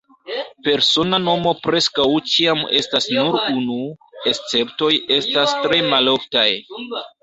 Persona nomo preskaŭ ĉiam estas nur unu, esceptoj estas tre maloftaj.